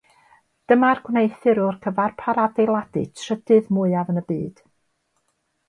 Dyma'r gwneuthurwr cyfarpar adeiladu trydydd mwyaf yn y byd.